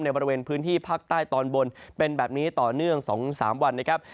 บริเวณพื้นที่ภาคใต้ตอนบนเป็นแบบนี้ต่อเนื่อง๒๓วันนะครับ